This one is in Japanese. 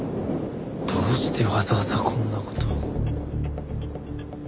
どうしてわざわざこんな事を？